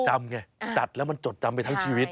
ไงจัดแล้วมันจดจำไปทั้งชีวิต